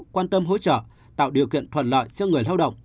quan tâm hỗ trợ tạo điều kiện thuận lợi cho người lao động